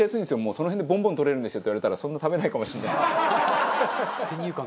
「その辺でボンボン取れるんですよ」って言われたらそんな食べないかもしれないですね。